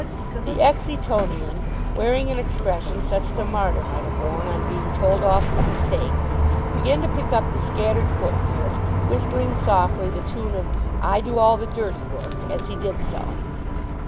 The ex Etonian, wearing an expression such as a martyr might have worn on being told off for the stake, began to pick up the scattered footgear, whistling softly the tune of "I do all the dirty work," as he did so.